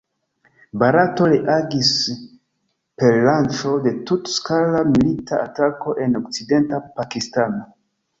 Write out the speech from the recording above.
Barato reagis per lanĉo de tut-skala milita atako en Okcidenta Pakistano.